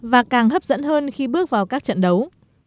và càng hấp dẫn hơn khi bước vào các trận đấu